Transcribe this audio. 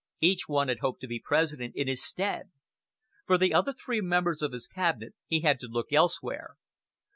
Each one had hoped to be President in his stead. For the other three members of his Cabinet he had to look elsewhere.